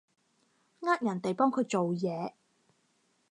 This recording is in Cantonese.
呃人哋幫佢哋做嘢